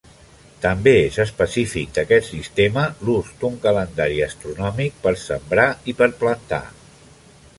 També és específic d’aquest sistema l'ús d'un calendari astronòmic per sembrar i per plantar.